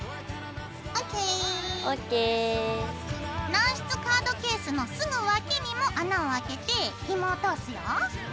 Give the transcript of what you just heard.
軟質カードケースのすぐ脇にも穴をあけてひもを通すよ。